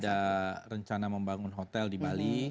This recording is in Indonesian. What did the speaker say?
ada rencana membangun hotel di bali